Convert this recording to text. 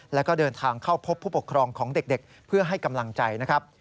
แล้วก็เดินทางเข้าพบผู้ปกครองของเด็กเพื่อให้กำลังใจนะครับ